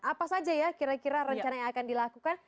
apa saja ya kira kira rencana yang akan dilakukan